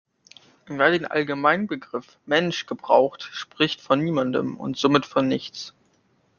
Wer den Allgemeinbegriff „Mensch“ gebraucht, spricht von niemandem und somit von nichts.